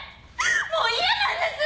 もう嫌なんです！